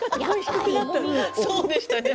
そうでしたね。